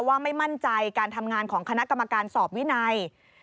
ว่าไม่มั่นใจการทำงานของคณะกรรมการสอบวินัย